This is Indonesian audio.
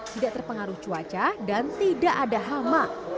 tidak terpengaruh cuaca dan tidak ada hama